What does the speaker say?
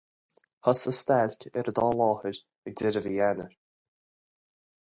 Thosaigh stailc ar an dá láthair ag deireadh mhí Eanáir.